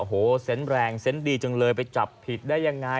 โอ้โหเซนต์แรงเซนต์ดีจังเลยไปจับผิดได้ยังไง